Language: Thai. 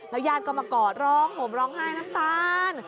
ญาติก็มากอดร้องห่มร้องไห้น้ำตาล